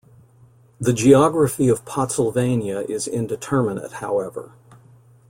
The geography of Pottsylvania is indeterminate, however.